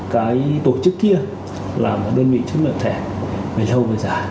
có thể bị xử lý hình sự